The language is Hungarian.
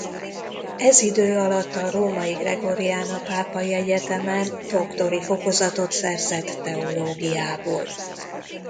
Ez idő alatt a római Gregoriana Pápai Egyetemen doktori fokozatot szerzett teológiából.